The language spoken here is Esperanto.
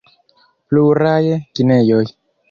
Pluraj kinejoj.